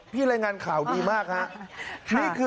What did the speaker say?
พี่ไร้งานขาวดีมากครับ